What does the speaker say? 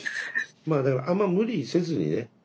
まあだからあんま無理せずにね。